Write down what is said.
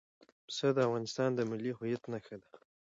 پسه د افغانستان د ملي هویت نښه ده.